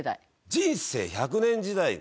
人生１００年時代のね